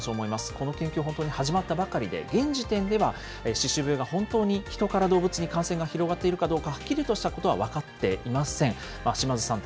この研究、本当にまだ始まったばかりで、現時点では歯周病が本当に人から動物に感染が広がっているかどうかはっきりとしたことは分かっていません。